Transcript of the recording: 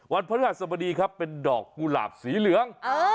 วันพฤหัสสมดีครับเป็นดอกกุหลาบสีเหลือง